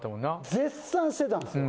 絶賛してたんすよ。